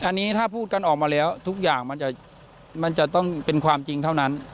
อันนี้ถ้าพูดกันออกมาแล้วทุกอย่างมันจะต้องเป็นความจริงเท่านั้น